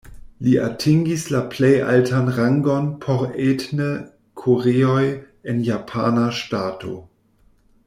Li atingis la plej altan rangon por etne koreoj en japana ŝtato.